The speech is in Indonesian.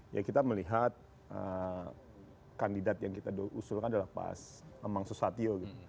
ya kita melihat kandidat yang kita usulkan adalah pak bambang susatyo gitu